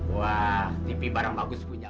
wah tv barang bagus punya